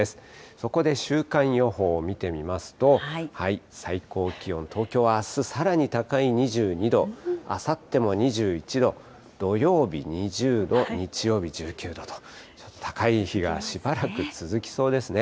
そこで週間予報を見てみますと、最高気温、東京はあす、さらに高い２２度、あさっても２１度、土曜日２０度、日曜日１９度と、ちょっと高い日がしばらく続きそうですね。